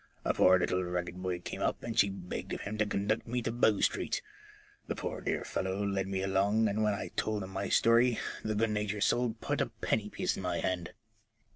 A poor little ragged boy came up, and she begged of him to conduct me to Bow Street. The poor dear fellow led me along, and when I told him my story the good 98 FORECASTLE THAITS. natured soul put a penny piece into my hand.